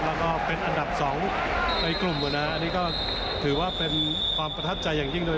แล้วก็เป็นอันดับ๒ในกลุ่มอันนี้ก็ถือว่าเป็นความประทับใจอย่างยิ่งเลย